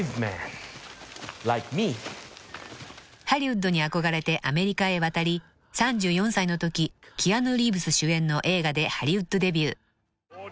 ［ハリウッドに憧れてアメリカへ渡り３４歳のときキアヌ・リーブス主演の映画でハリウッドデビュー］